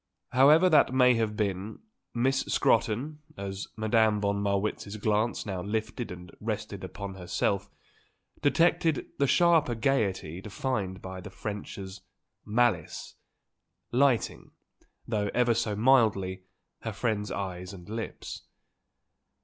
However that may have been, Miss Scrotton, as Madame von Marwitz's glance now lifted and rested upon herself, detected the sharper gaiety defined by the French as "malice," lighting, though ever so mildly, her friend's eyes and lips.